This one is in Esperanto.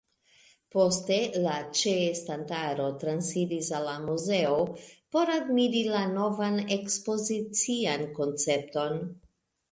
Poste la ĉeestantaro transiris al la muzeo por admiri la novan ekspozician koncepton.